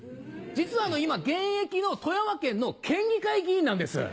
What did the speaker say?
実は今現役の富山県の県議会議員なんです。